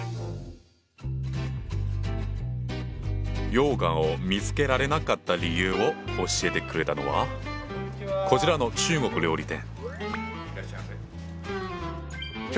羊羹を見つけられなかった理由を教えてくれたのはこちらの中国料理店。